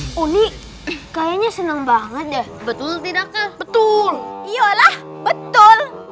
oh ini kayaknya seneng banget ya betul tidak betul betul